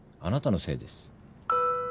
あなたのせいです。